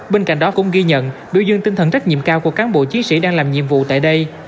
bên cạnh đó cũng ghi nhận biểu dương tinh thần trách nhiệm cao của cán bộ chiến sĩ đang làm nhiệm vụ tại đây